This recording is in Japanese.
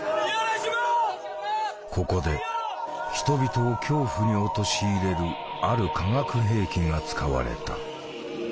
ここで人々を恐怖に陥れるある化学兵器が使われた。